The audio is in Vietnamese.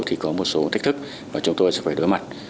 thì có một số thách thức mà chúng tôi sẽ phải đối mặt